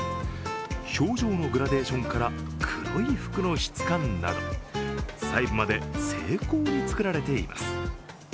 表情のグラデーションから黒い服の質感など、細部まで精巧に作られています。